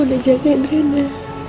udah jagain rina